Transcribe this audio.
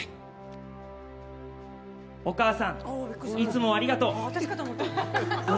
お母さん、いつもありがとう。